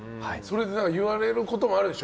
言われることもあるでしょ。